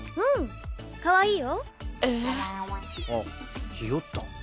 あっひよった。